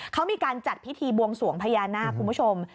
เขามีการจัดพิธีบวงสวงพญานาคคุณผู้ชม